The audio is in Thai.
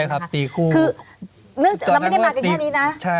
เราไม่ได้มากันแค่นี้นะ